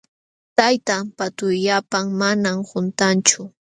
Tayta pa tullapan manam quntanchu.